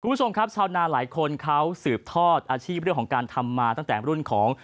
คุณผู้ชมครับชาวนาหลายคนเขาสืบทอดอาชีพเรื่องของการทำมาตั้งแต่รุ่นของ